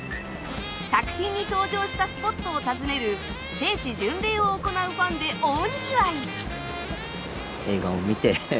作品に登場したスポットを訪ねる聖地巡礼を行うファンで大にぎわい。